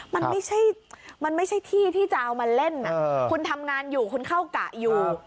มันไม่ใช่มันไม่ใช่ที่ที่จะเอามาเล่นคุณทำงานอยู่คุณเข้ากะอยู่